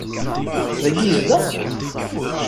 Dagi i yezdeɣ?